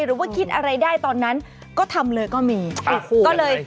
หรือว่าคิดอะไรได้ตอนนั้นก็ทำเลยก็มี